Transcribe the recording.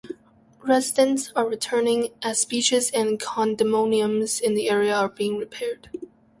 Residents are returning as beaches and condominiums in the area are being repaired.